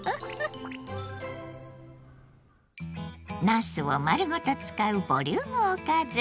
なすを丸ごと使うボリュームおかず。